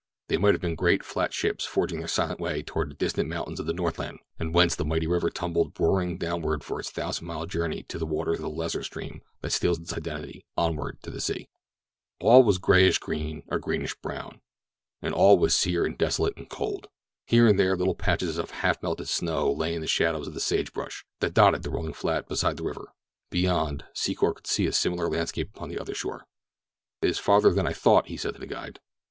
They might have been great, flat ships forging their silent way toward the distant mountains of the northland and whence the mighty river tumbled roaring downward for its thousand mile journey to the waters of the lesser stream that steals its identity, onward to the sea. All was greenish gray or greenish brown and all was sere and desolate and cold. Here and there little patches of half melted snow lay in the shadows of the sage brush that dotted the rolling flat beside the river. Beyond, Secor could see a similar landscape upon the other shore. "It is farther than I thought," he said to his guide.